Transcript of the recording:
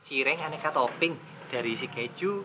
cireng aneka topping dari si keju